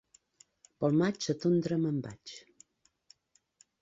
Pel maig a tondre me'n vaig.